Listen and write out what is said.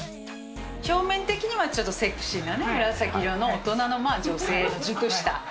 表面的にはちょっとセクシーなね、紫色の大人の女性、熟した。